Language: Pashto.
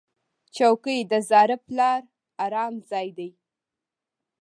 چوکۍ د زاړه پلار ارام ځای دی.